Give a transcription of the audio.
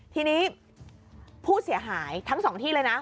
ทีนี้ผู้เสียหายทั้งสองที่เลยนะ